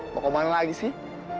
mau ke mana lagi sih